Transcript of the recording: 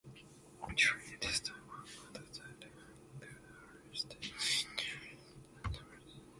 During this time her father died and left her estates in Dorset and Wiltshire.